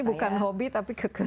ini bukan hobi tapi keke